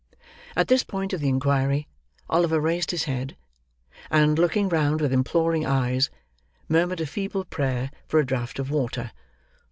At this point of the inquiry, Oliver raised his head; and, looking round with imploring eyes, murmured a feeble prayer for a draught of water.